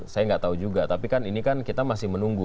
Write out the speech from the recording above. saya nggak tahu juga tapi kan ini kan kita masih menunggu